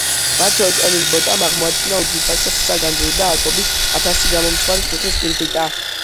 მათ შორის ემილ ბოტამ აღმოაჩინა უძვირფასესი საგანძური და ათობით ათასი გამომცხვარი თიხის ფირფიტა.